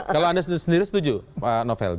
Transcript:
kalau anda sendiri setuju pak novel